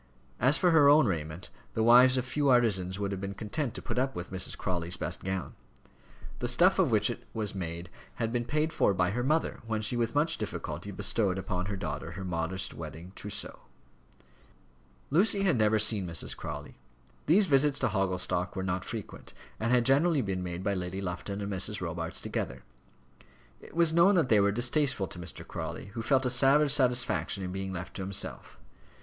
As for her own raiment, the wives of few artisans would have been content to put up with Mrs. Crawley's best gown. The stuff of which it was made had been paid for by her mother when she with much difficulty bestowed upon her daughter her modest wedding trousseau. Lucy had never seen Mrs. Crawley. These visits to Hogglestock were not frequent, and had generally been made by Lady Lufton and Mrs. Robarts together. It was known that they were distasteful to Mr. Crawley, who felt a savage satisfaction in being left to himself.